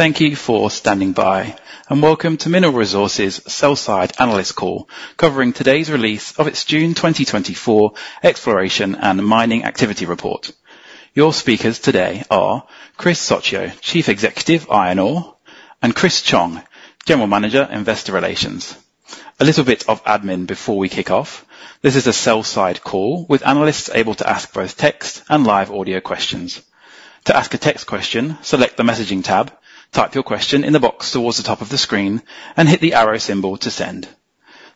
Thank you for standing by, and welcome to Mineral Resources Sell-Side Analyst Call, covering today's release of its June 2024 exploration and mining activity report. Your speakers today are Chris Soccio, Chief Executive, Iron Ore, and Chris Chong, General Manager, Investor Relations. A little bit of admin before we kick off. This is a sell-side call, with analysts able to ask both text and live audio questions. To ask a text question, select the Messaging tab, type your question in the box towards the top of the screen, and hit the arrow symbol to send.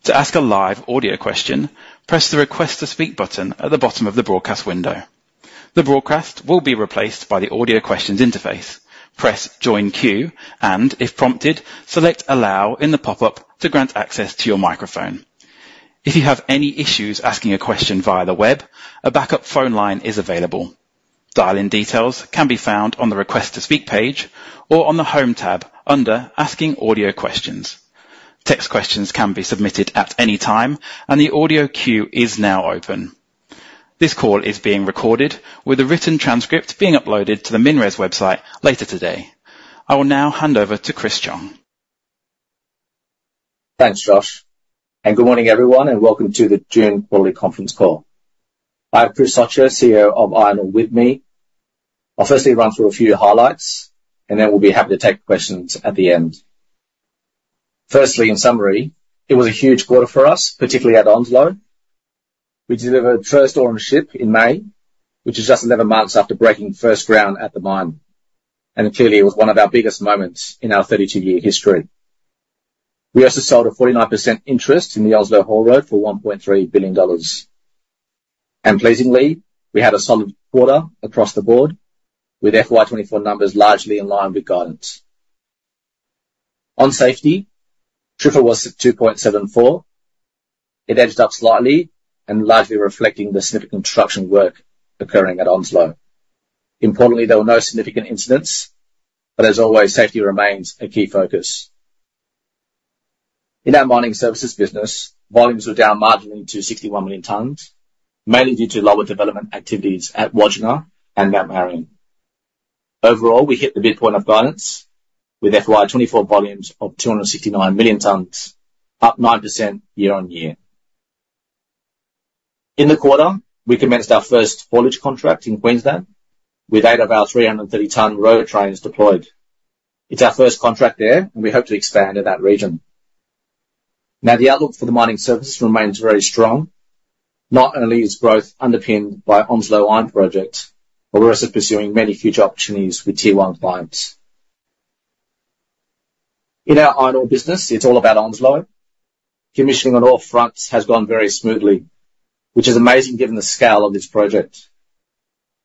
To ask a live audio question, press the Request to Speak button at the bottom of the broadcast window. The broadcast will be replaced by the Audio Questions interface. Press Join Queue, and if prompted, select Allow in the pop-up to grant access to your microphone. If you have any issues asking a question via the web, a backup phone line is available. Dial-in details can be found on the Request to Speak page or on the Home tab under Asking Audio Questions. Text questions can be submitted at any time, and the audio queue is now open. This call is being recorded, with a written transcript being uploaded to the MinRes website later today. I will now hand over to Chris Chong. Thanks, Josh, and good morning, everyone, and welcome to the June quarterly conference call. I have Chris Soccio, CEO of Iron Ore, with me. I'll firstly run through a few highlights, and then we'll be happy to take questions at the end. Firstly, in summary, it was a huge quarter for us, particularly at Onslow. We delivered first ore on ship in May, which is just 11 months after breaking first ground at the mine, and clearly it was one of our biggest moments in our 32-year history. We also sold a 49% interest in the Onslow Haul Road for AUD 1.3 billion. Pleasingly, we had a solid quarter across the board, with FY 2024 numbers largely in line with guidance. On safety, TRIFR was at 2.74. It edged up slightly and largely reflecting the significant construction work occurring at Onslow. Importantly, there were no significant incidents, but as always, safety remains a key focus. In our mining services business, volumes were down marginally to 61 million tonnes, mainly due to lower development activities at Wodgina and Mount Marion. Overall, we hit the midpoint of guidance with FY 2024 volumes of 269 million tonnes, up 9% year-on-year. In the quarter, we commenced our first haulage contract in Queensland, with eight of our 330-tonne road trains deployed. It's our first contract there, and we hope to expand in that region. Now, the outlook for the mining services remains very strong. Not only is growth underpinned by Onslow Iron Project, but we're also pursuing many huge opportunities with tier one clients. In our iron ore business, it's all about Onslow. Commissioning on all fronts has gone very smoothly, which is amazing given the scale of this project.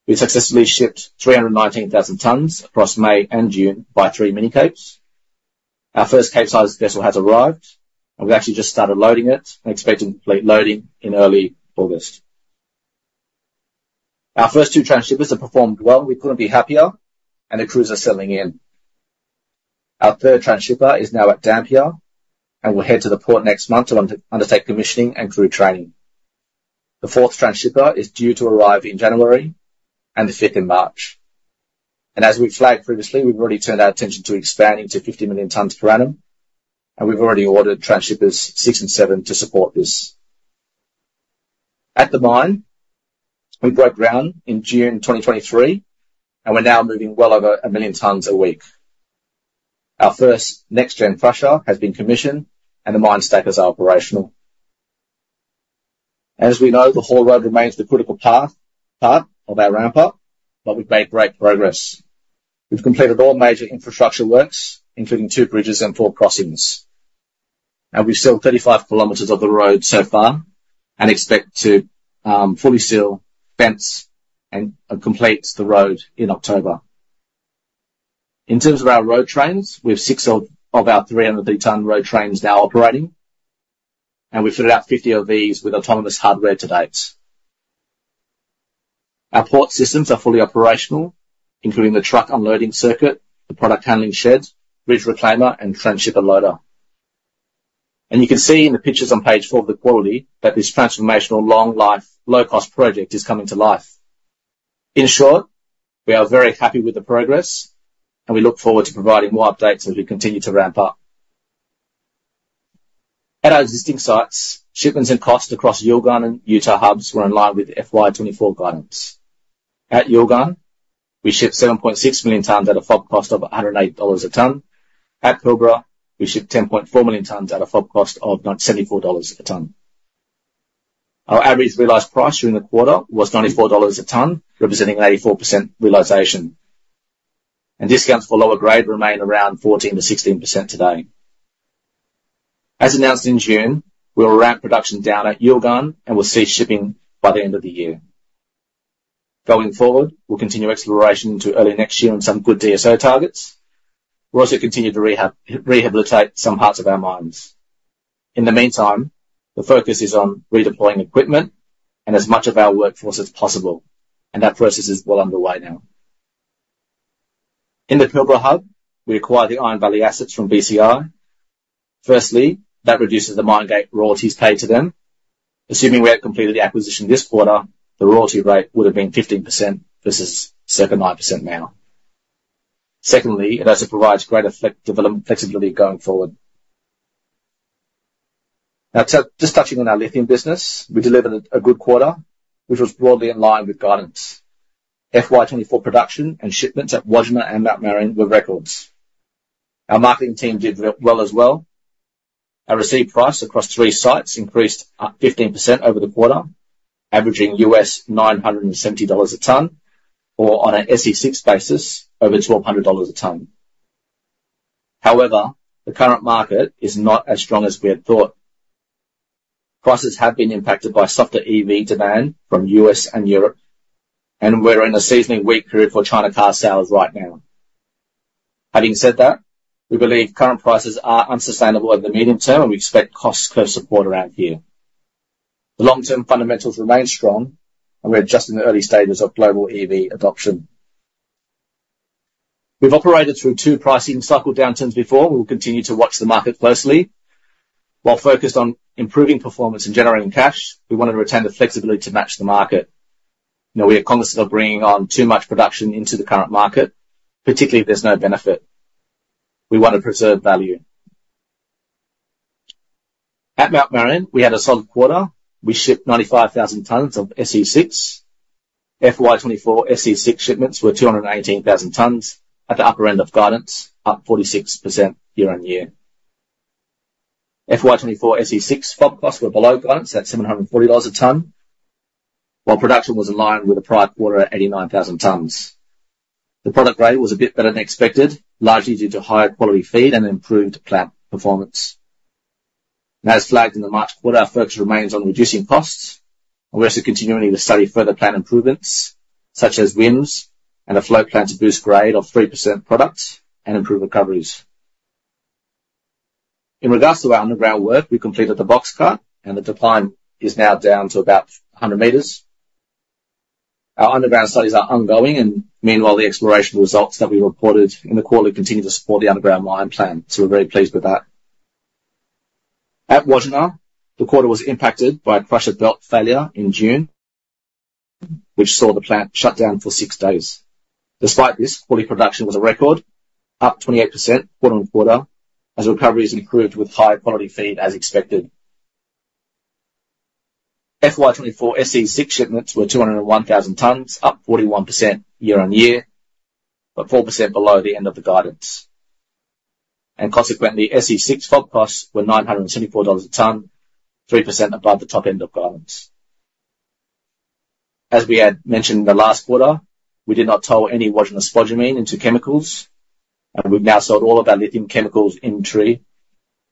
We successfully shipped 319,000 tonnes across May and June by 3 mini capes. Our first Cape-size vessel has arrived, and we actually just started loading it and expecting late loading in early August. Our first two transhippers have performed well. We couldn't be happier, and the crews are settling in. Our third transhipper is now at Dampier and will head to the port next month to undertake commissioning and crew training. The fourth transhipper is due to arrive in January and the fifth in March. As we flagged previously, we've already turned our attention to expanding to 50 million tonnes per annum, and we've already ordered transhippers 6 and 7 to support this. At the mine, we broke ground in June 2023, and we're now moving well over 1 million tonnes a week. Our first next-gen crusher has been commissioned, and the mine stackers are operational. As we know, the haul road remains the critical path, part of our ramp up, but we've made great progress. We've completed all major infrastructure works, including 2 bridges and 4 crossings, and we've sealed 35 kilometers of the road so far and expect to fully seal, fence, and complete the road in October. In terms of our road trains, we have six of our 330-tonne road trains now operating, and we've fitted out 50 of these with autonomous hardware to date. Our port systems are fully operational, including the truck unloading circuit, the product handling sheds, bridge reclaimer, and transhipper loader. You can see in the pictures on page four of the Quarterly that this transformational, long life, low-cost project is coming to life. In short, we are very happy with the progress, and we look forward to providing more updates as we continue to ramp up. At our existing sites, shipments and costs across Yilgarn and Utah hubs were in line with FY 2024 guidance. At Yilgarn, we shipped 7.6 million tonnes at a FOB cost of $108 a tonne. At Pilbara, we shipped 10.4 million tonnes at a FOB cost of $97 a tonne. Our average realized price during the quarter was $94 a tonne, representing an 84% realization, and discounts for lower grade remain around 14%-16% today. As announced in June, we'll ramp production down at Yilgarn and we'll cease shipping by the end of the year. Going forward, we'll continue exploration into early next year on some good DSO targets. We'll also continue to rehabilitate some parts of our mines. In the meantime, the focus is on redeploying equipment and as much of our workforce as possible, and that process is well underway now. In the Pilbara hub, we acquired the Iron Valley assets from BCI Minerals, firstly, that reduces the mine gate royalties paid to them. Assuming we had completed the acquisition this quarter, the royalty rate would have been 15% versus 7.9% now. Secondly, it also provides greater flexibility going forward. Now, just touching on our lithium business, we delivered a good quarter, which was broadly in line with guidance. FY 2024 production and shipments at Wodgina and Mount Marion were records. Our marketing team did really well as well. Our received price across three sites increased up 15% over the quarter, averaging $970 a ton, or on an SC6 basis, over $1,200 a ton. However, the current market is not as strong as we had thought. Prices have been impacted by softer EV demand from U.S. and Europe, and we're in a seasonally weak period for China car sales right now. Having said that, we believe current prices are unsustainable in the medium term, and we expect cost curve support around here. The long-term fundamentals remain strong, and we're just in the early stages of global EV adoption. We've operated through two pricing cycle downturns before. We will continue to watch the market closely. While focused on improving performance and generating cash, we wanted to retain the flexibility to match the market. Now, we are conscious of bringing on too much production into the current market, particularly if there's no benefit. We want to preserve value. At Mount Marion, we had a solid quarter. We shipped 95,000 tons of SC6. FY 2024 SC6 shipments were 218,000 tons at the upper end of guidance, up 46% year-on-year. FY 2024 SC6 FOB costs were below guidance at 740 dollars a ton, while production was in line with the prior quarter at 89,000 tons. The product grade was a bit better than expected, largely due to higher quality feed and improved plant performance. As flagged in the March quarter, our focus remains on reducing costs, and we're also continuing to study further plan improvements, such as WHIMS and a flow plan to boost grade of 3% products and improve recoveries. In regards to our underground work, we completed the box cut, and the decline is now down to about 100 meters. Our underground studies are ongoing, and meanwhile, the exploration results that we reported in the quarter continue to support the underground mine plan, so we're very pleased with that. At Wodgina, the quarter was impacted by a crusher belt failure in June, which saw the plant shut down for 6 days. Despite this, quarterly production was a record, up 28% quarter-on-quarter, as recoveries improved with higher quality feed, as expected. FY 2024 SC6 shipments were 201,000 tons, up 41% year-on-year, but 4% below the end of the guidance. And consequently, SC6 FOB costs were $974 a ton, 3% above the top end of guidance. As we had mentioned in the last quarter, we did not toll any Wodgina spodumene into chemicals, and we've now sold all of our lithium chemicals inventory,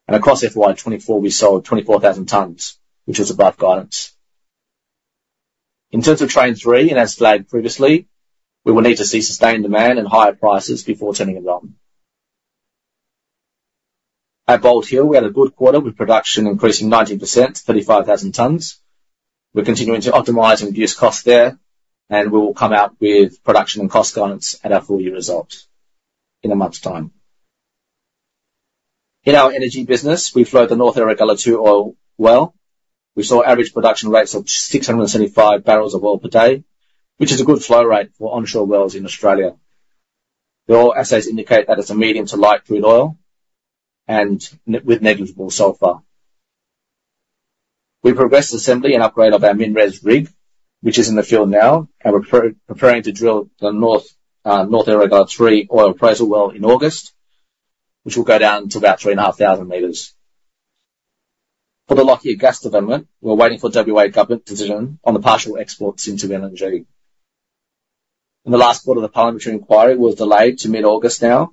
and across FY 2024, we sold 24,000 tons, which is above guidance. In terms of train three, and as flagged previously, we will need to see sustained demand and higher prices before turning it on. At Bald Hill, we had a good quarter with production increasing 19% to 35,000 tons. We're continuing to optimize and reduce costs there, and we will come out with production and cost guidance at our full year results in a month's time. In our energy business, we flowed the North Erregulla-2 oil well. We saw average production rates of 675 barrels of oil per day, which is a good flow rate for onshore wells in Australia. The oil assets indicate that it's a medium to light crude oil and with negligible sulfur. We progressed assembly and upgrade of our MinRes rig, which is in the field now, and we're preparing to drill the North Erregulla-3 oil appraisal well in August, which will go down to about 3,500 meters. For the Lockyer gas development, we're waiting for WA government decision on the partial exports into LNG. In the last quarter, the parliamentary inquiry was delayed to mid-August now,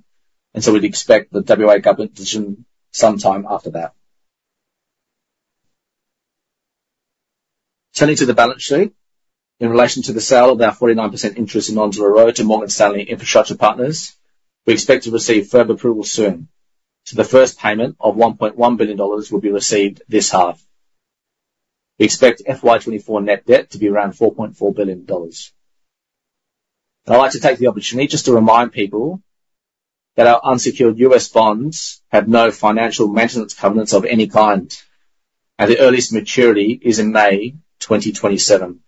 and so we'd expect the WA government decision sometime after that. Turning to the balance sheet. In relation to the sale of our 49% interest in Onslow Road to Morgan Stanley Infrastructure Partners, we expect to receive further approval soon. So the first payment of 1.1 billion dollars will be received this half. We expect FY 2024 net debt to be around AUD 4.4 billion. I'd like to take the opportunity just to remind people that our unsecured US bonds have no financial maintenance covenants of any kind, and the earliest maturity is in May 2027.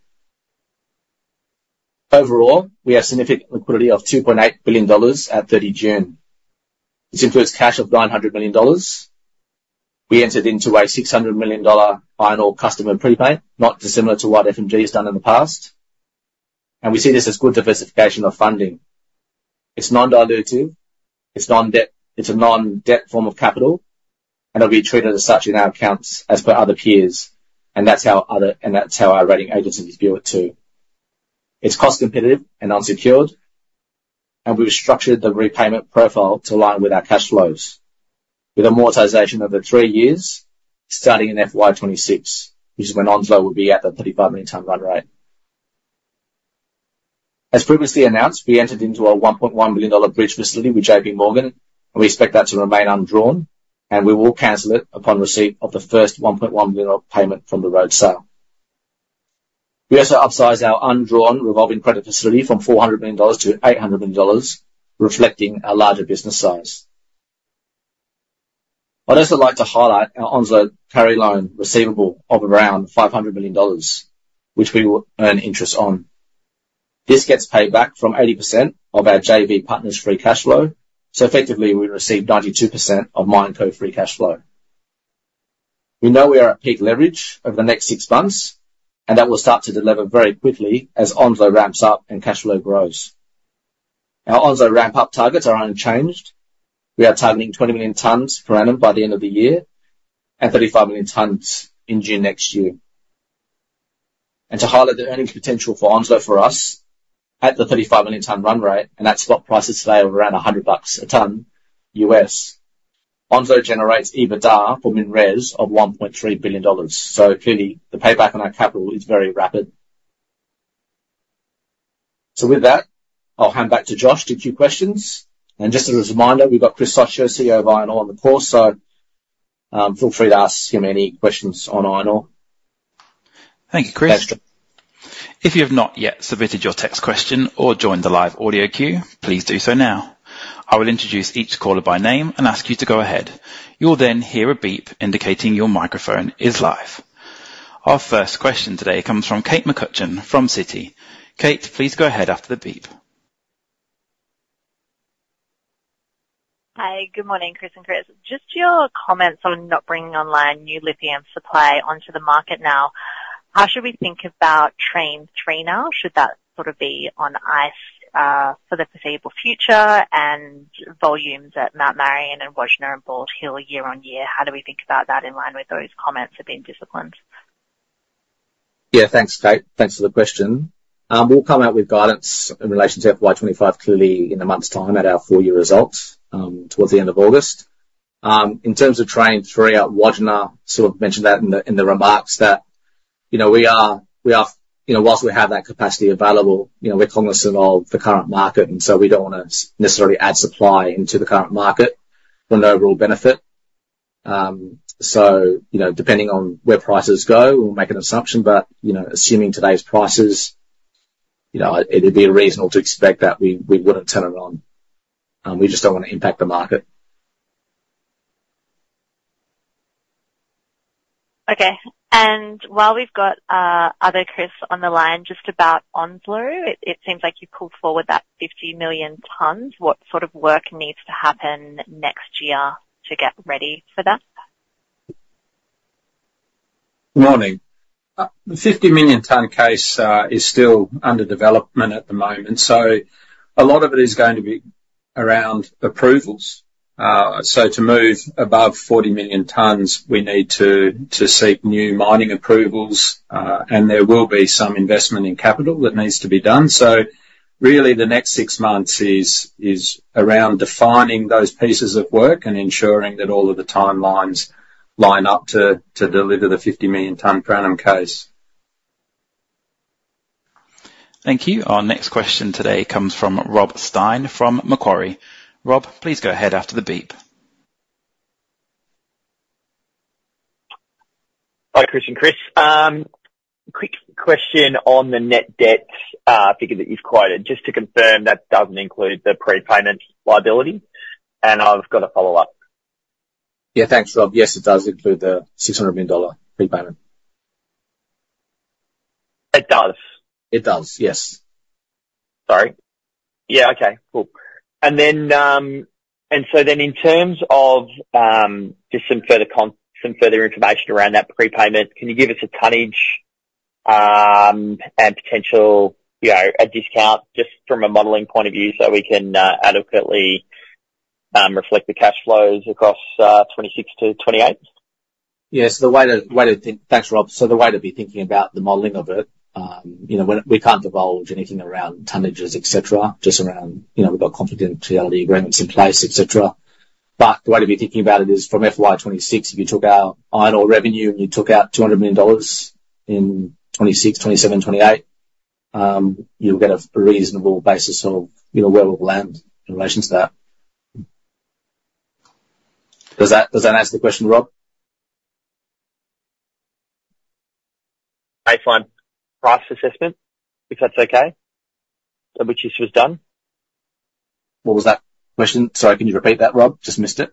Overall, we have significant liquidity of 2.8 billion dollars at 30 June. This includes cash of 900 million dollars. We entered into a $600 million final customer prepay, not dissimilar to what FMG has done in the past. And we see this as good diversification of funding. It's non-dilutive, it's non-debt, it's a non-debt form of capital, and it'll be treated as such in our accounts as per other peers, and that's how other, and that's how our rating agencies view it, too. It's cost competitive and unsecured, and we've structured the repayment profile to align with our cash flows, with amortization over three years, starting in FY 2026, which is when Onslow will be at the 35 million ton run rate. As previously announced, we entered into a AUD 1.1 billion bridge facility with J.P. Morgan, and we expect that to remain undrawn, and we will cancel it upon receipt of the first 1.1 billion payment from the road sale. We also upsized our undrawn revolving credit facility from 400 million dollars to 800 million dollars, reflecting a larger business size. I'd also like to highlight our Onslow carry loan receivable of around 500 million dollars, which we will earn interest on. This gets paid back from 80% of our JV partners' free cash flow, so effectively we receive 92% of MineCo free cash flow. We know we are at peak leverage over the next six months, and that will start to deliver very quickly as Onslow ramps up and cash flow grows. Our Onslow ramp-up targets are unchanged. We are targeting 20 million tons per annum by the end of the year and 35 million tons in June next year. To highlight the earnings potential for Onslow for us, at the 35 million ton run rate, and at spot prices today of around $100 a ton, U.S. Onslow generates EBITDA for MinRes of $1.3 billion. So clearly, the payback on our capital is very rapid. So with that, I'll hand back to Josh to cue questions. Just as a reminder, we've got Chris Soccio, CEO of Iron Ore, on the call, so feel free to ask him any questions on Iron Ore. Thank you, Chris. If you have not yet submitted your text question or joined the live audio queue, please do so now. I will introduce each caller by name and ask you to go ahead. You'll then hear a beep indicating your microphone is live. Our first question today comes from Kate McCutcheon, from Citi. Kate, please go ahead after the beep. Hi, good morning, Chris and Chris. Just your comments on not bringing online new lithium supply onto the market now, how should we think about train three now? Should that sort of be on ice for the foreseeable future, and volumes at Mount Marion and Wodgina and Bald Hill year-on-year? How do we think about that in line with those comments of being disciplined? Yeah, thanks, Kate. Thanks for the question. We'll come out with guidance in relation to FY 25, clearly in a month's time at our full year results, towards the end of August. In terms of train 3 at Wodgina, sort of mentioned that in the remarks, that, you know, we are, we are- you know, whilst we have that capacity available, you know, we're cognizant of the current market, and so we don't want to necessarily add supply into the current market for no overall benefit. So, you know, depending on where prices go, we'll make an assumption, but, you know, assuming today's prices, you know, it'd be reasonable to expect that we, we wouldn't turn it on. We just don't want to impact the market. Okay. And while we've got other Chris on the line, just about Onslow, it seems like you pulled forward that 50 million tons. What sort of work needs to happen next year to get ready for that? Morning. The 50 million ton case is still under development at the moment, so a lot of it is going to be around approvals. So to move above 40 million tons, we need to seek new mining approvals, and there will be some investment in capital that needs to be done. So really, the next six months is around defining those pieces of work and ensuring that all of the timelines line up to deliver the 50 million ton per annum case. Thank you. Our next question today comes from Rob Stein from Macquarie. Rob, please go ahead after the beep. Hi, Chris and Chris. Quick question on the net debt figure that you've quoted. Just to confirm, that doesn't include the prepayment liability? And I've got a follow-up. Yeah, thanks, Rob. Yes, it does include the 600 million dollar prepayment. It does? It does, yes. Sorry. Yeah, okay, cool. And then, and so then in terms of, just some further information around that prepayment, can you give us a tonnage, and potential, you know, a discount just from a modeling point of view, so we can adequately reflect the cash flows across 2026-2028? Yes, the way to think— Thanks, Rob. So the way to be thinking about the modeling of it, you know, we can't divulge anything around tonnages, et cetera, just around, you know, we've got confidentiality agreements in place, et cetera. But the way to be thinking about it is from FY 2026, if you took our Iron Ore revenue, and you took out 200 million dollars in 2026, 2027, and 2028, you'll get a reasonable basis of, you know, where we'll land in relation to that. Does that answer the question, Rob? Baseline price assessment, if that's okay, which this was done? What was that question? Sorry, can you repeat that, Rob? Just missed it.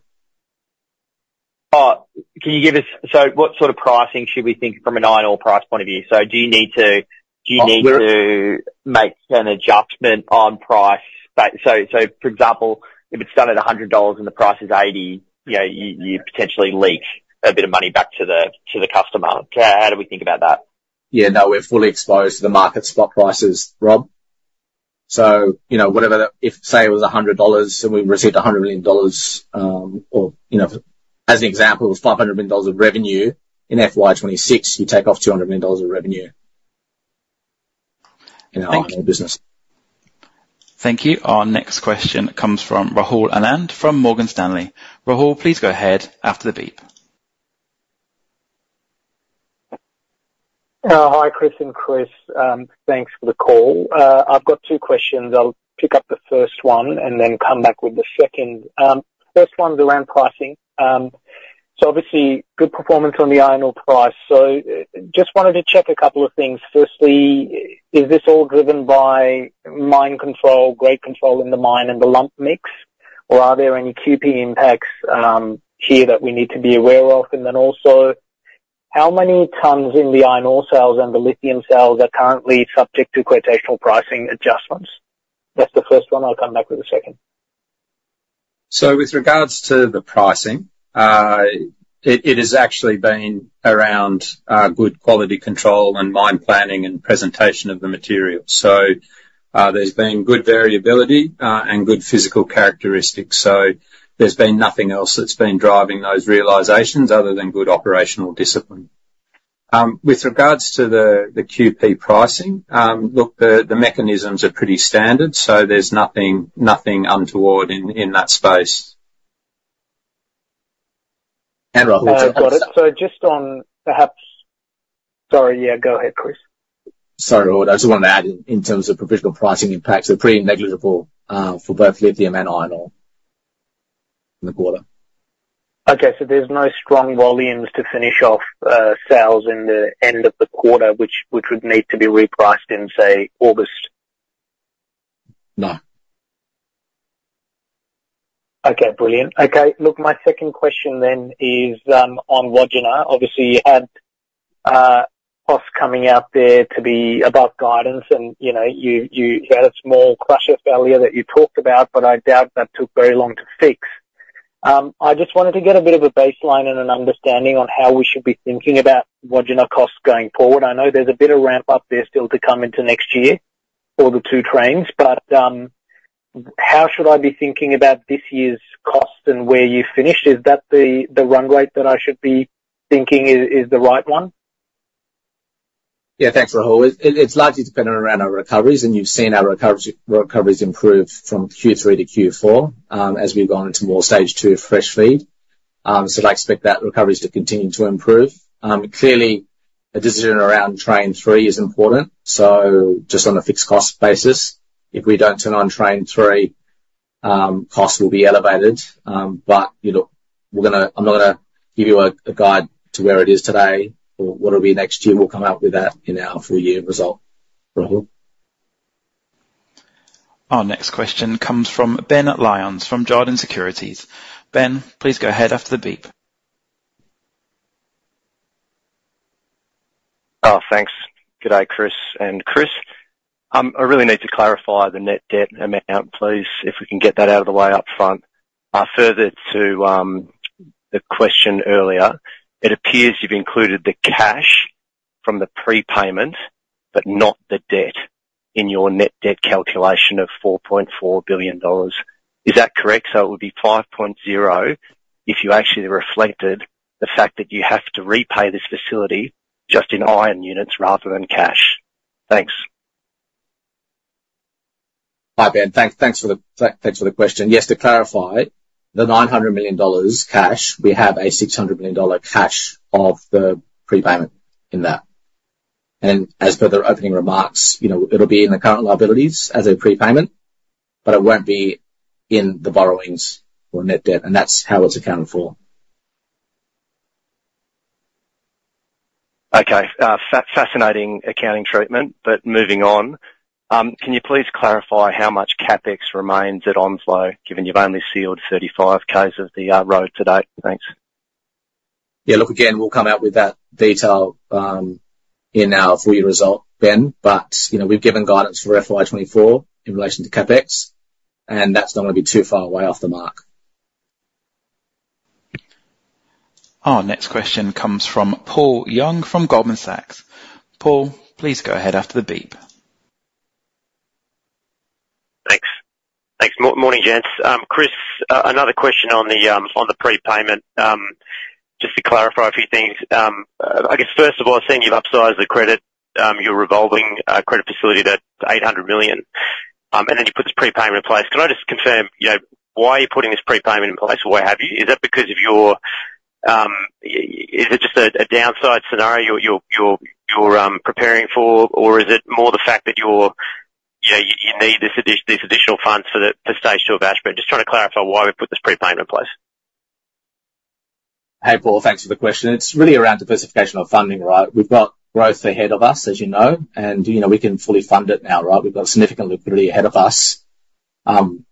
Can you give us, so what sort of pricing should we think from an Iron Ore price point of view? So do you need to- Sorry. Make an adjustment on price back? So, for example, if it's done at $100 and the price is $80, you know, you potentially leach a bit of money back to the customer. How do we think about that? Yeah, no, we're fully exposed to the market spot prices, Rob. So, you know, whatever, if, say, it was 100 dollars, and we received 100 million dollars, or, you know, as an example, it was 500 million dollars of revenue in FY 2026, you take off 200 million dollars of revenue in our Iron Ore business. Thank you. Our next question comes from Rahul Anand, from Morgan Stanley. Rahul, please go ahead after the beep. Hi, Chris and Chris, thanks for the call. I've got two questions. I'll pick up the first one and then come back with the second. First one's around pricing. So obviously, good performance on the iron ore price. So, just wanted to check a couple of things. Firstly, is this all driven by mine control, great control in the mine and the lump mix, or are there any QP impacts here that we need to be aware of? And then also, how many tons in the iron ore sales and the lithium sales are currently subject to quotational pricing adjustments? That's the first one. I'll come back with the second. So with regards to the pricing, it has actually been around good quality control and mine planning and presentation of the material. So, there's been good variability and good physical characteristics. So there's been nothing else that's been driving those realizations other than good operational discipline. With regards to the QP pricing, look, the mechanisms are pretty standard, so there's nothing untoward in that space. Andrew- Got it. So just on perhaps. Sorry, yeah, go ahead, Chris. Sorry, Rahul, I just wanted to add in, in terms of provisional pricing impacts, they're pretty negligible for both lithium and iron ore in the quarter. Okay, so there's no strong volumes to finish off, sales in the end of the quarter, which would need to be repriced in, say, August? No. Okay, brilliant. Okay, look, my second question then is on Wodgina. Obviously, you had costs coming out there to be above guidance, and, you know, you had a small crusher failure that you talked about, but I doubt that took very long to fix. I just wanted to get a bit of a baseline and an understanding on how we should be thinking about Wodgina costs going forward. I know there's a bit of ramp up there still to come into next year for the two trains, but how should I be thinking about this year's cost and where you've finished? Is that the run rate that I should be thinking is the right one? Yeah, thanks, Rahul. It's largely dependent around our recoveries, and you've seen our recovery, recoveries improve from Q3 to Q4, as we've gone into more stage two of fresh feed. So I expect that recoveries to continue to improve. Clearly, a decision around train three is important, so just on a fixed cost basis, if we don't turn on train three, costs will be elevated. But, you know, we're gonna. I'm not gonna give you a guide to where it is today or what it'll be next year. We'll come out with that in our full-year result, Rahul. Our next question comes from Ben Lyons, from Jarden. Ben, please go ahead after the beep. Oh, thanks. Good day, Chris and Chris. I really need to clarify the net debt amount, please, if we can get that out of the way up front. Further to the question earlier, it appears you've included the cash from the prepayment, but not the debt in your net debt calculation of 4.4 billion dollars. Is that correct? So it would be 5.0, if you actually reflected the fact that you have to repay this facility, just in iron units rather than cash. Thanks. Hi, Ben. Thanks for the question. Yes, to clarify, the 900 million dollars cash, we have a 600 million dollar cash of the prepayment in that. As for the opening remarks, you know, it'll be in the current liabilities as a prepayment, but it won't be in the borrowings or net debt, and that's how it's accounted for. Okay. Fascinating accounting treatment, but moving on, can you please clarify how much CapEx remains at Onslow, given you've only sealed 35 Ks of the road to date? Thanks. Yeah, look, again, we'll come out with that detail in our full-year result, Ben, but, you know, we've given guidance for FY 24 in relation to CapEx, and that's not gonna be too far away off the mark. Our next question comes from Paul Young, from Goldman Sachs. Paul, please go ahead after the beep. Thanks. Morning, gents. Chris, another question on the prepayment. Just to clarify a few things, I guess, first of all, I've seen you've upsized the credit, your revolving credit facility to 800 million, and then you put the prepayment in place. Can I just confirm, you know, why you're putting this prepayment in place or why have you? Is that because of your... Is it just a downside scenario you're preparing for? Or is it more the fact that you're, you know, you need this additional funds for the for stage two of Aspen? Just trying to clarify why we put this prepayment in place. Hey, Paul, thanks for the question. It's really around diversification of funding, right? We've got growth ahead of us, as you know, and, you know, we can fully fund it now, right? We've got significant liquidity ahead of us.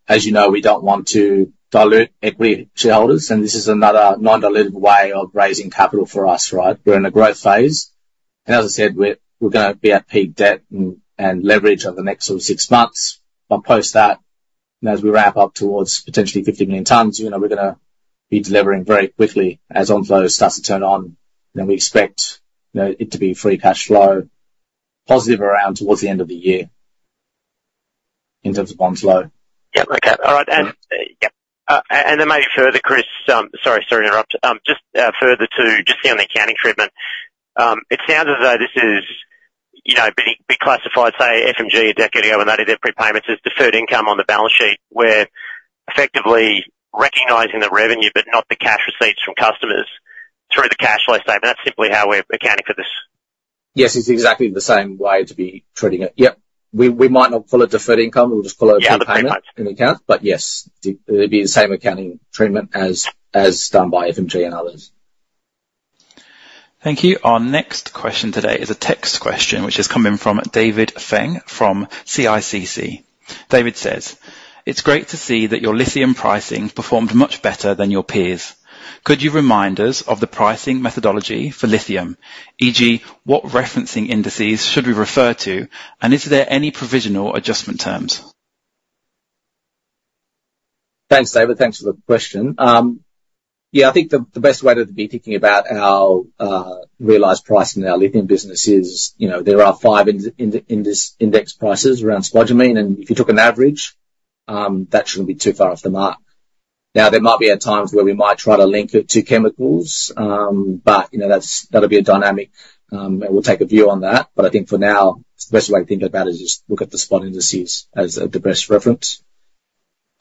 As you know, we don't want to dilute equity shareholders, and this is another non-dilutive way of raising capital for us, right? We're in a growth phase, and as I said, we're gonna be at peak debt and leverage over the next sort of six months. But post that, and as we ramp up towards potentially 50 million tons, you know, we're gonna be delivering very quickly as Onslow starts to turn on, then we expect, you know, it to be free cash flow positive around towards the end of the year in terms of Onslow. Yep, okay. All right, and yeah. And then maybe further, Chris, sorry to interrupt. Just further to just on the accounting treatment, it sounds as though this is, you know, being we classified, say, FMG a decade ago, when they did their prepayments, as deferred income on the balance sheet. We're effectively recognizing the revenue, but not the cash receipts from customers through the cash flow statement. That's simply how we're accounting for this? Yes, it's exactly the same way to be treating it. Yep, we might not call it deferred income, we'll just call it- Yeah, pretty much. prepayment in account, but yes, it would be the same accounting treatment as, as done by FMG and others. Thank you. Our next question today is a text question, which has come in from David Feng from CICC. David says, "It's great to see that your lithium pricing performed much better than your peers. Could you remind us of the pricing methodology for lithium? E.g., what referencing indices should we refer to, and is there any provisional adjustment terms? Thanks, David. Thanks for the question. Yeah, I think the best way to be thinking about our realized price in our lithium business is, you know, there are five index prices around spodumene, and if you took an average, that shouldn't be too far off the mark. Now, there might be at times where we might try to link it to chemicals, but, you know, that'll be a dynamic, and we'll take a view on that. But I think for now, the best way to think about it is just look at the spot indices as the best reference.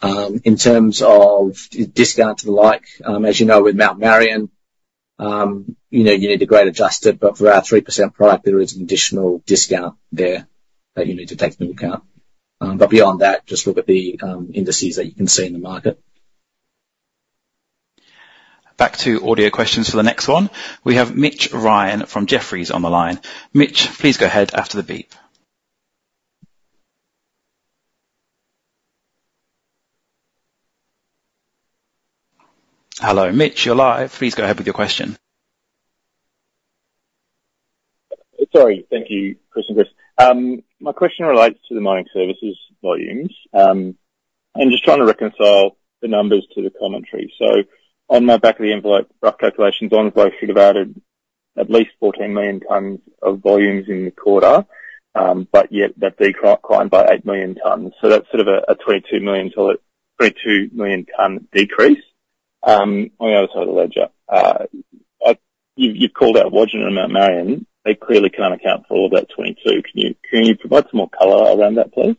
In terms of discount to the like, as you know, with Mount Marion, you know, you need the grade adjusted, but for our 3% product, there is an additional discount there that you need to take into account. But beyond that, just look at the indices that you can see in the market. Back to audio questions for the next one. We have Mitch Ryan from Jefferies on the line. Mitch, please go ahead after the beep. Hello, Mitch, you're live. Please go ahead with your question. Sorry. Thank you, Chris and Chris. My question relates to the mining services volumes. I'm just trying to reconcile the numbers to the commentary. On the back of the envelope, rough calculations on both should have added at least 14 million tons of volumes in the quarter, but yet that declined by 8 million tons. That's sort of a 22 million ton decrease. On the other side of the ledger, you've called out Wodgina and Mount Marion. They clearly cannot account for all of that 22. Can you provide some more color around that, please?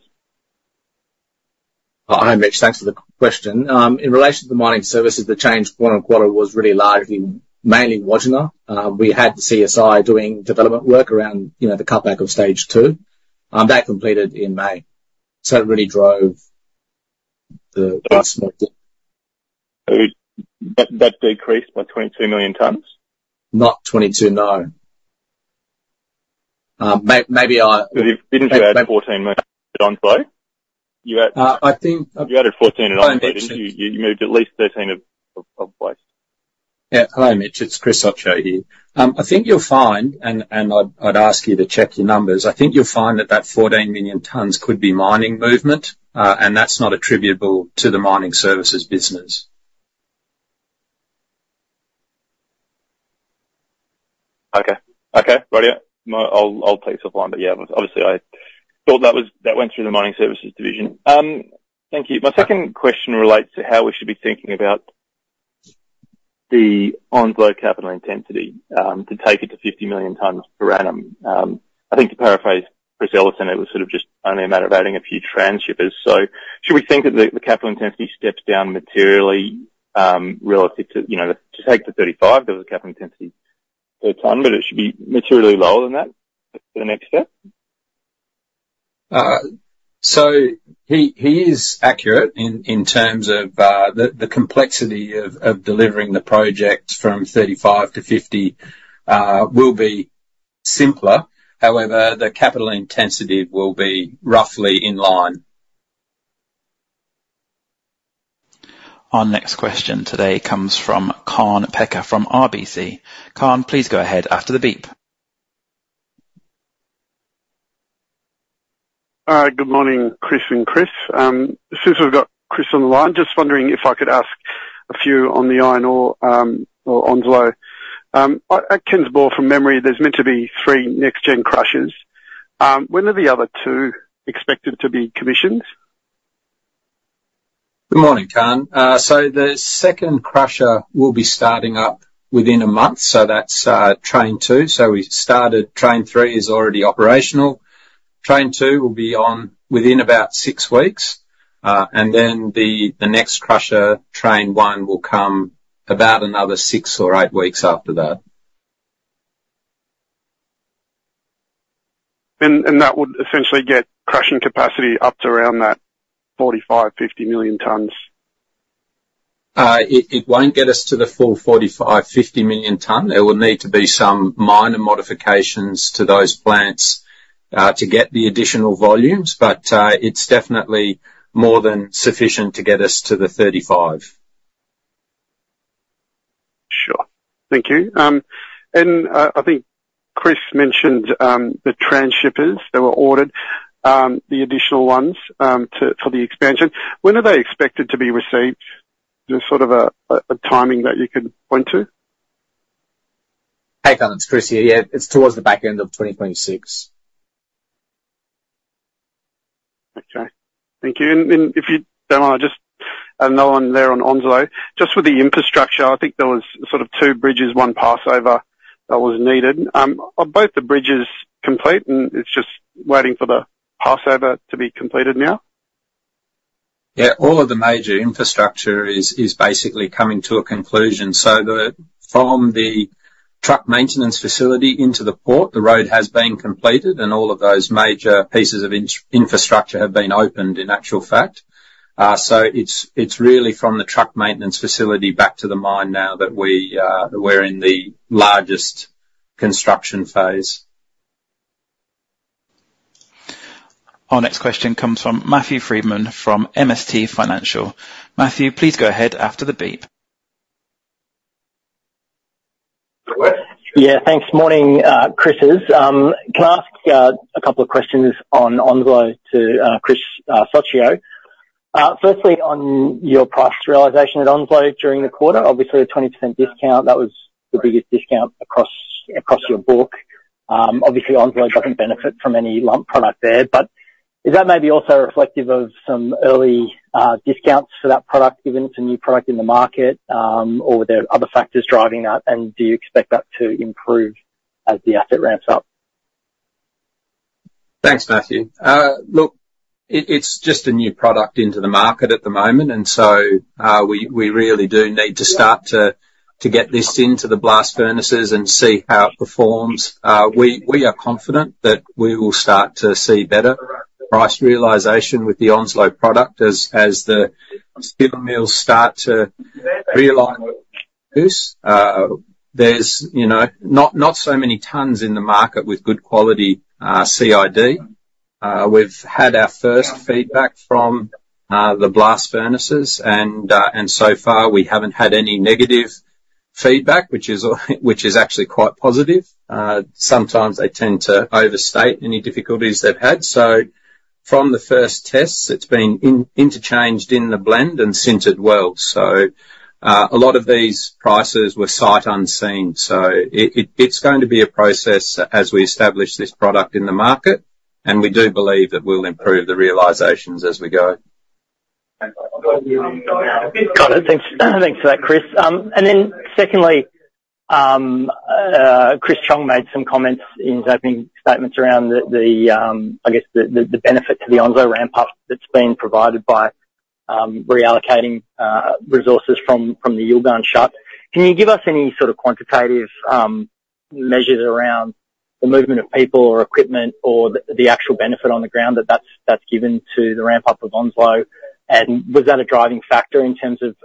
Hi, Mitch, thanks for the question. In relation to the mining services, the change quarter-over-quarter was really largely mainly Wodgina. We had the CSI doing development work around, you know, the cutback of stage two. That completed in May, so it really drove the- But that decreased by 22 million tons? Not 22, no. Maybe I- But didn't you add 14 million at Onslow? You add- I think- You added 14 at Onslow, didn't you? You moved at least 13 of place. Yeah. Hello, Mitch, it's Chris Soccio here. I think you'll find, and I'd ask you to check your numbers. I think you'll find that that 14 million tons could be mining movement, and that's not attributable to the mining services business. Okay, righty-o. I'll take offline, but yeah, obviously I thought that was, that went through the mining services division. Thank you. Yeah. My second question relates to how we should be thinking about the Onslow capital intensity, to take it to 50 million tons per annum. I think to paraphrase Chris Ellison, it was sort of just only a matter of adding a few transhippers. So should we think that the capital intensity steps down materially, relative to, you know, to take to 35? There was a capital intensity per ton, but it should be materially lower than that for the next step. So he is accurate in terms of the complexity of delivering the project from 35-50 will be simpler. However, the capital intensity will be roughly in line. Our next question today comes from Kaan Peker, from RBC. Kaan, please go ahead after the beep. Good morning, Chris and Chris. Since we've got Chris on the line, just wondering if I could ask a few on the iron ore, or Onslow. At Ken's Bore from memory, there's meant to be three NextGen crushers. When are the other two expected to be commissioned? Good morning, Kaan. So the second crusher will be starting up within a month, so that's train 2. So we started train 3 is already operational. Train 2 will be on within about 6 weeks, and then the next crusher, train 1, will come about another 6 or 8 weeks after that. That would essentially get crushing capacity up to around that 45 million tons-50 million tons? It won't get us to the full 45-50 million ton. There will need to be some minor modifications to those plants to get the additional volumes, but it's definitely more than sufficient to get us to the 35. Sure. Thank you. And, I think Chris mentioned the transhippers that were ordered, the additional ones, for the expansion. When are they expected to be received? Just sort of a timing that you could point to. Hey, Kaan, it's Chris here. Yeah, it's towards the back end of 2026. Okay. Thank you. If you don't mind, just another one there on Onslow. Just with the infrastructure, I think there was sort of two bridges, one pass over that was needed. Are both the bridges complete, and it's just waiting for the pass over to be completed now? Yeah, all of the major infrastructure is basically coming to a conclusion. So, from the truck maintenance facility into the port, the road has been completed, and all of those major pieces of infrastructure have been opened, in actual fact. So it's really from the truck maintenance facility back to the mine now that we're in the largest construction phase. Our next question comes from Matthew Frydman from MST Financial. Matthew, please go ahead after the beep. Yeah, thanks. Morning, Chrises. Can I ask a couple of questions on Onslow to Chris Soccio? Firstly, on your price realization at Onslow during the quarter, obviously a 20% discount, that was the biggest discount across, across your book. Obviously, Onslow doesn't benefit from any lump product there, but is that maybe also reflective of some early discounts for that product, given it's a new product in the market, or are there other factors driving that? And do you expect that to improve as the asset ramps up? Thanks, Matthew. Look, it's just a new product into the market at the moment, and so, we really do need to start to get this into the blast furnaces and see how it performs. We are confident that we will start to see better price realization with the Onslow product as the steel mills start to realign with this. There's, you know, not so many tons in the market with good quality CID. We've had our first feedback from the blast furnaces and, and so far, we haven't had any negative feedback, which is actually quite positive. Sometimes they tend to overstate any difficulties they've had. So from the first tests, it's been interchanged in the blend and sintered well. So, a lot of these prices were sight unseen, so it's going to be a process as we establish this product in the market, and we do believe that we'll improve the realizations as we go. Got it. Thanks, thanks for that, Chris. And then secondly, Chris Chong made some comments in his opening statements around the, I guess, the benefit to the Onslow ramp up that's been provided by reallocating resources from the Yilgarn shut. Can you give us any sort of quantitative measures around the movement of people or equipment or the actual benefit on the ground that that's given to the ramp up of Onslow? And was that a driving factor in terms of,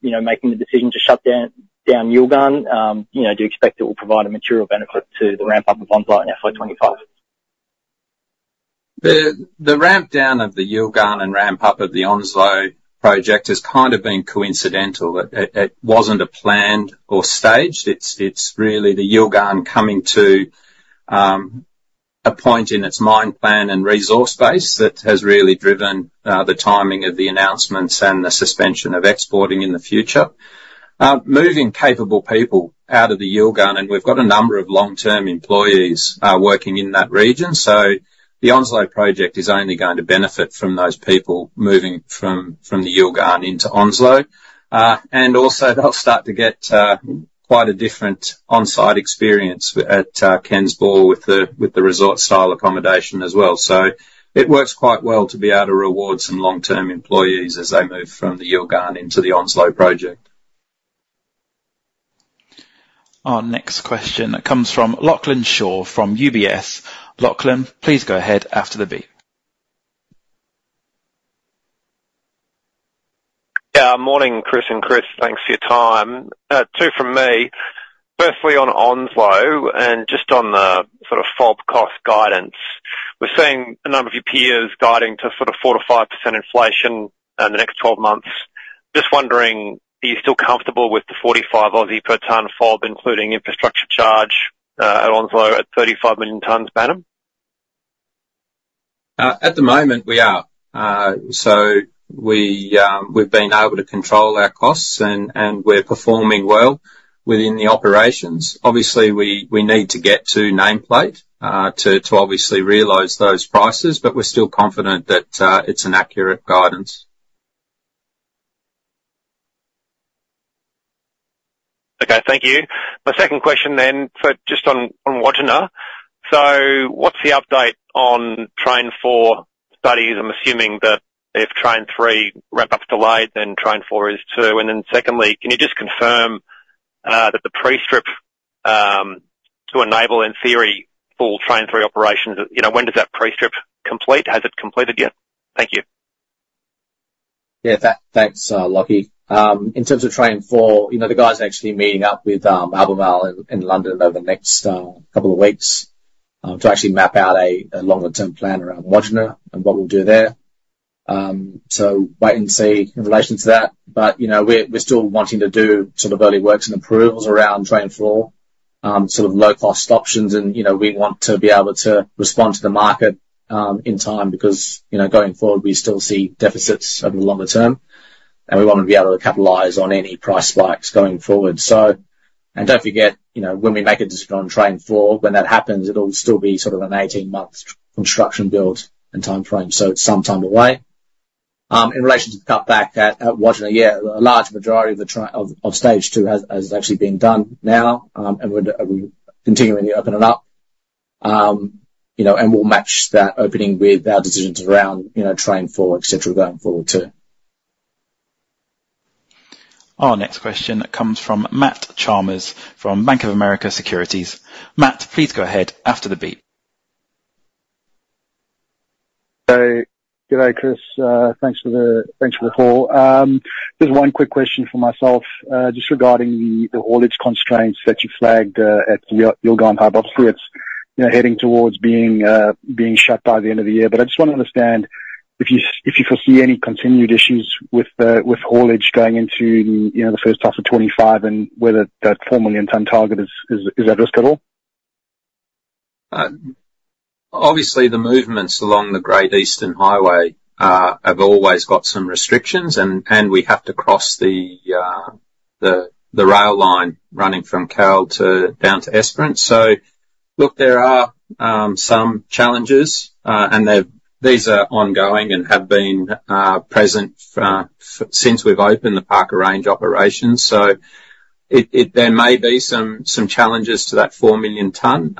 you know, making the decision to shut down Yilgarn? You know, do you expect it will provide a material benefit to the ramp up of Onslow in FY 25? The ramp down of the Yilgarn and ramp up of the Onslow project has kind of been coincidental. It wasn't a planned or staged. It's really the Yilgarn coming to a point in its mine plan and resource base that has really driven the timing of the announcements and the suspension of exporting in the future. Moving capable people out of the Yilgarn, and we've got a number of long-term employees working in that region. So the Onslow project is only going to benefit from those people moving from the Yilgarn into Onslow. And also, they'll start to get quite a different on-site experience at Ken's Bore with the resort-style accommodation as well. So it works quite well to be able to reward some long-term employees as they move from the Yilgarn into the Onslow project. Our next question comes from Lachlan Shaw from UBS. Lachlan, please go ahead after the beep. Yeah. Morning, Chris and Chris. Thanks for your time. Two from me. Firstly, on Onslow, and just on the sort of FOB cost guidance. We're seeing a number of your peers guiding to sort of 4%-5% inflation in the next 12 months. Just wondering, are you still comfortable with the 45 per tonne FOB, including infrastructure charge, at Onslow at 35 million tonnes minimum? At the moment, we are. So we, we've been able to control our costs, and we're performing well within the operations. Obviously, we need to get to nameplate, to obviously realize those prices, but we're still confident that it's an accurate guidance. Okay, thank you. My second question, then, so just on, on Wodgina. So what's the update on Train 4 studies? I'm assuming that if Train 3 ramp up is delayed, then Train 4 is, too. And then secondly, can you just confirm that the pre-strip to enable, in theory, full Train 3 operations, you know, when does that pre-strip complete? Has it completed yet? Thank you. Yeah, thanks, Lachie. In terms of Train 4, you know, the guys are actually meeting up with Albemarle in London over the next couple of weeks to actually map out a longer term plan around Wodgina and what we'll do there. So wait and see in relation to that. But, you know, we're still wanting to do sort of early works and approvals around Train 4, sort of low-cost options, and, you know, we want to be able to respond to the market in time, because, you know, going forward, we still see deficits over the longer term, and we want to be able to capitalize on any price spikes going forward. And don't forget, you know, when we make a decision on Train 4, when that happens, it'll still be sort of an 18-month construction build and timeframe, so it's some time away. In relation to the cutback at Wodgina, yeah, a large majority of Stage 2 has actually been done now, and we're continually opening up. You know, and we'll match that opening with our decisions around, you know, train 4, et cetera, going forward, too. Our next question comes from Matt Chalmers from Bank of America Securities. Matt, please go ahead after the beep. Hey. Good day, Chris. Thanks for the call. Just one quick question from myself, just regarding the haulage constraints that you flagged at the Yilgarn pipeline. It's, you know, heading towards being shut by the end of the year. But I just want to understand if you foresee any continued issues with the haulage going into, you know, the first half of 2025, and whether that 4 million ton target is at risk at all? Obviously, the movements along the Great Eastern Highway have always got some restrictions, and we have to cross the rail line running from Kal to down to Esperance. So look, there are some challenges, and these are ongoing and have been present since we've opened the Parker Range operations. So there may be some challenges to that 4 million ton.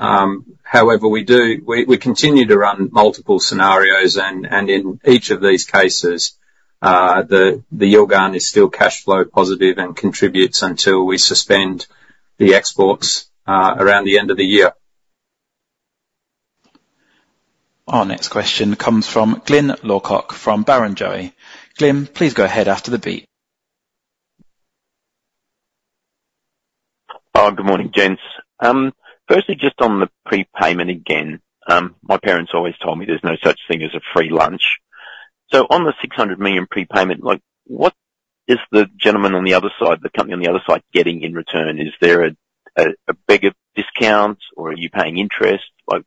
However, we continue to run multiple scenarios and in each of these cases, the Yilgarn is still cashflow positive and contributes until we suspend the exports around the end of the year. Our next question comes from Glyn Lawcock from Barrenjoey. Glyn, please go ahead after the beep. Good morning, gents. Firstly, just on the prepayment again, my parents always told me there's no such thing as a free lunch. So on the 600 million prepayment, like, what is the gentleman on the other side, the company on the other side, getting in return? Is there a, a, a bigger discount, or are you paying interest? Like,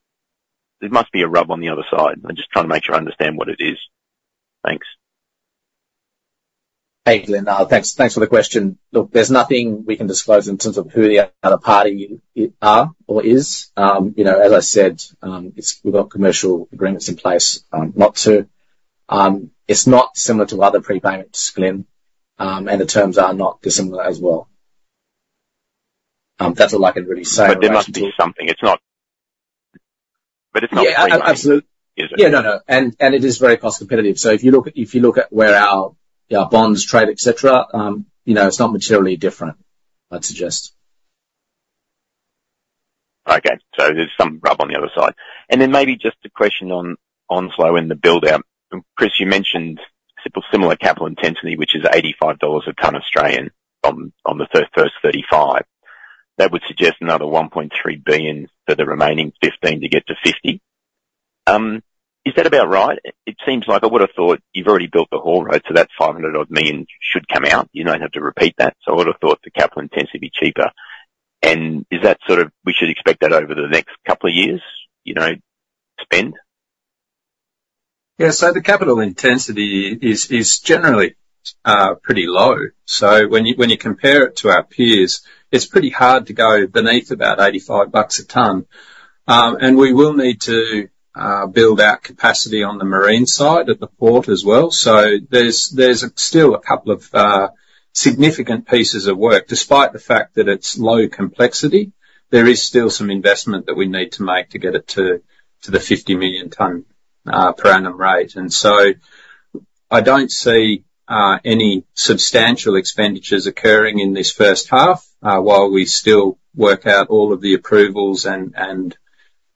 there must be a rub on the other side. I'm just trying to make sure I understand what it is. Thanks. Hey, Glyn. Thanks, thanks for the question. Look, there's nothing we can disclose in terms of who the other party are or is. You know, as I said, we've got commercial agreements in place, not to. It's not similar to other prepayments, Glyn, and the terms are not dissimilar as well. That's all I can really say. But there must be something. It's not...but it's not free, is it? Yeah, absolute, yeah, no, and it is very cost competitive. So if you look at where our bonds trade, et cetera, you know, it's not materially different, I'd suggest. Okay. So there's some rub on the other side. And then maybe just a question on Onslow and the build-out. And Chris, you mentioned similar capital intensity, which is 85 dollars a ton on the first 35. That would suggest another 1.3 billion for the remaining 15 to get to 50. Is that about right? It seems like, I would've thought you've already built the haul, right? So that 500-odd million should come out. You don't have to repeat that. So I would've thought the capital intensity would be cheaper. And is that sort of what we should expect over the next couple of years, you know, spend? Yeah, so the capital intensity is generally pretty low. So when you compare it to our peers, it's pretty hard to go beneath about $85 a ton. And we will need to build our capacity on the marine side of the port as well. So there's still a couple of significant pieces of work. Despite the fact that it's low complexity, there is still some investment that we need to make to get it to the 50 million ton per annum rate. So I don't see any substantial expenditures occurring in this first half while we still work out all of the approvals and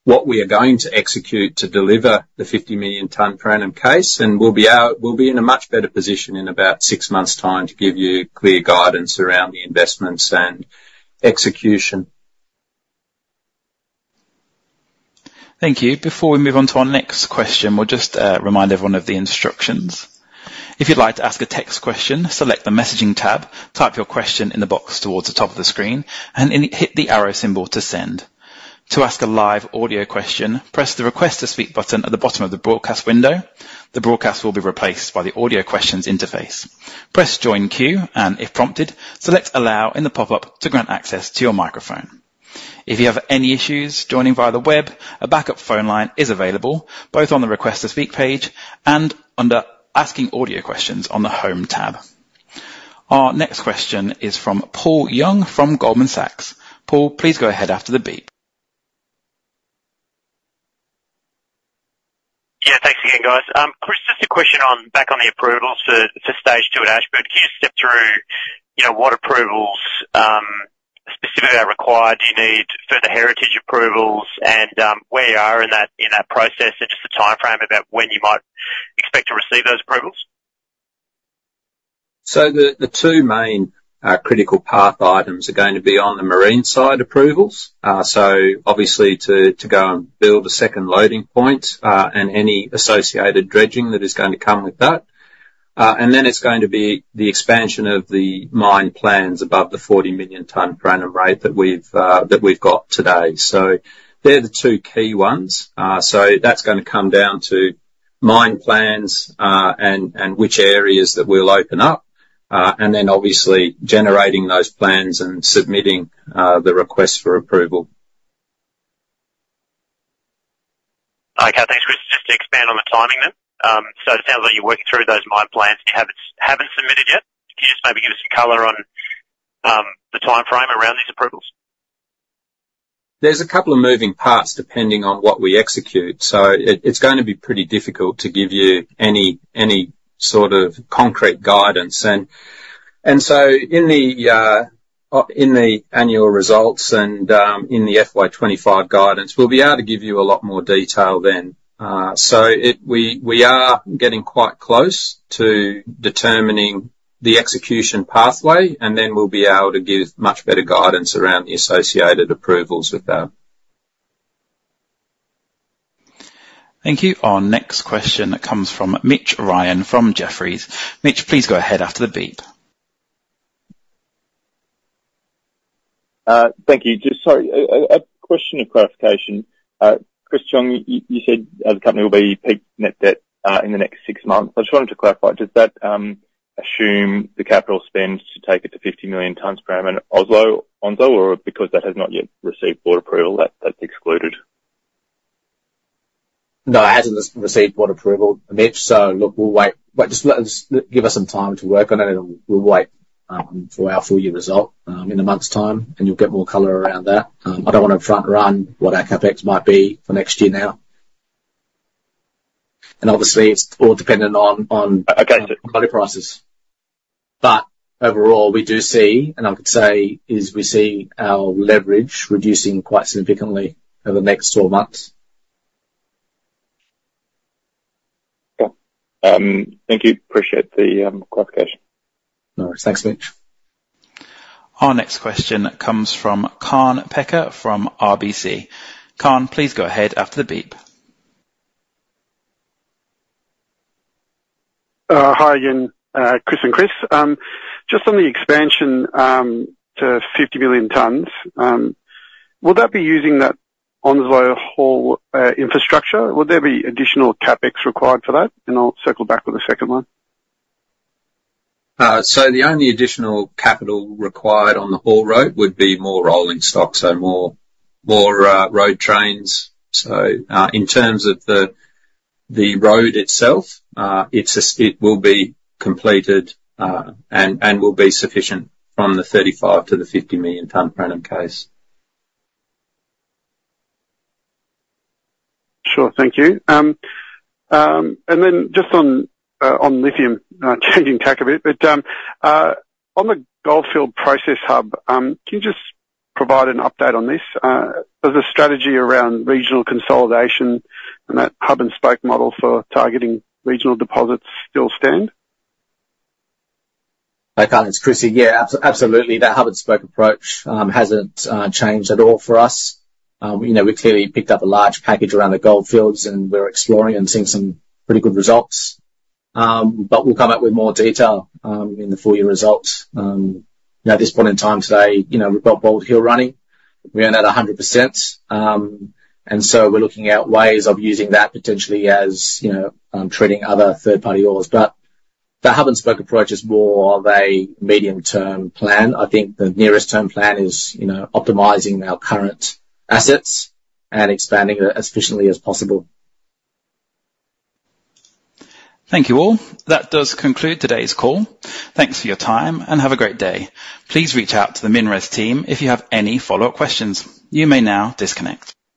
what we are going to execute to deliver the 50 million ton per annum case, and we'll be in a much better position in about six months' time to give you clear guidance around the investments and execution. Thank you. Before we move on to our next question, we'll just remind everyone of the instructions. If you'd like to ask a text question, select the Messaging tab, type your question in the box towards the top of the screen, and then hit the arrow symbol to send. To ask a live audio question, press the Request to Speak button at the bottom of the Broadcast window. The broadcast will be replaced by the Audio Questions interface. Press Join Queue, and if prompted, select Allow in the pop-up to grant access to your microphone. If you have any issues joining via the web, a backup phone line is available, both on the Request to Speak page and under Asking Audio Questions on the Home tab. Our next question is from Paul Young, from Goldman Sachs. Paul, please go ahead after the beep. Yeah, thanks again, guys. Chris, just a question on, back on the approvals for stage 2 at Ashburton. Can you step through, you know, what approvals specifically are required? Do you need further heritage approvals? And where you are in that process, and just the timeframe about when you might expect to receive those approvals. So the two main critical path items are going to be on the marine side approvals. So obviously, to go and build a second loading point, and any associated dredging that is going to come with that. And then it's going to be the expansion of the mine plans above the 40 million ton per annum rate that we've got today. So they're the two key ones. So that's gonna come down to mine plans, and which areas that we'll open up, and then obviously generating those plans and submitting the request for approval. Okay, thanks, Chris. Just to expand on the timing then. So it sounds like you're working through those mine plans, and you haven't submitted yet. Can you just maybe give us some color on the timeframe around these approvals? There's a couple of moving parts, depending on what we execute, so it's gonna be pretty difficult to give you any sort of concrete guidance. So in the annual results and in the FY25 guidance, we'll be able to give you a lot more detail then. So we are getting quite close to determining the execution pathway, and then we'll be able to give much better guidance around the associated approvals with that. Thank you. Our next question comes from Mitch Ryan from Jefferies. Mitch, please go ahead after the beep. Thank you. Just sorry, a question of clarification. Chris Chong, you said the company will be peak net debt in the next six months. I just wanted to clarify, does that assume the capital spends to take it to 50 million tons per annum at Onslow? Or because that has not yet received board approval, that's excluded? No, it hasn't received board approval, Mitch, so look, we'll wait. But just let us, give us some time to work on it, and we'll wait for our full year result in a month's time, and you'll get more color around that. I don't want to front run what our CapEx might be for next year now. And obviously, it's all dependent on. Okay. Commodity prices. But overall, we do see, and I could say, is we see our leverage reducing quite significantly over the next 12 months. Okay. Thank you. Appreciate the clarification. No worries. Thanks, Mitch. Our next question comes from Kaan Peker from RBC. Kaan, please go ahead after the beep. Hi again, Chris and Chris. Just on the expansion to 50 million tons, will that be using that Onslow haul infrastructure? Will there be additional CapEx required for that? And I'll circle back with a second one. So, the only additional capital required on the haul road would be more rolling stock, so more road trains. So, in terms of the road itself, it will be completed and will be sufficient from the 35- to 50-million-ton-per-annum case. Sure. Thank you. Then just on lithium, changing tack a bit, but on the Goldfields process hub, can you just provide an update on this? Does the strategy around regional consolidation and that hub-and-spoke model for targeting regional deposits still stand? Hey, Kaan, it's Chris here. Yeah, absolutely. That hub-and-spoke approach hasn't changed at all for us. You know, we clearly picked up a large package around the Goldfields, and we're exploring and seeing some pretty good results. But we'll come up with more detail in the full year results. You know, at this point in time today, you know, we've got Bald Hill running. We own that 100%. And so we're looking at ways of using that potentially as, you know, treating other third-party ores. But the hub-and-spoke approach is more of a medium-term plan. I think the nearest term plan is, you know, optimizing our current assets and expanding it as efficiently as possible. Thank you, all. That does conclude today's call. Thanks for your time, and have a great day. Please reach out to the MinRes team if you have any follow-up questions. You may now disconnect.